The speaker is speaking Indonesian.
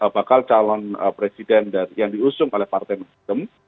bakal calon presiden yang diusung oleh partai nasdem